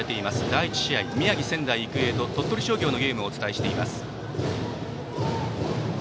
第１試合は宮城・仙台育英と鳥取商業のゲームをお伝えしています。